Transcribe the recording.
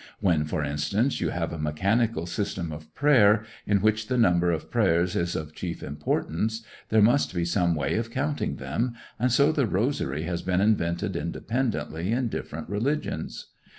When, for instance, you have a mechanical system of prayer, in which the number of prayers is of chief importance, there must be some way of counting them, and so the rosary has been invented independently in different religions.